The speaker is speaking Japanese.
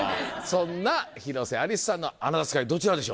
そんな広瀬アリスさんのアナザースカイどちらでしょう？